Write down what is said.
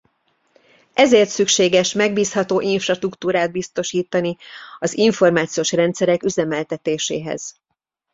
Ezért szükséges megbízható infrastruktúrát biztosítani az információs rendszerek üzemeltetéséhez.